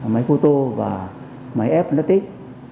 máy photo và máy app